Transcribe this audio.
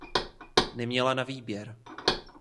Neměla na výběr.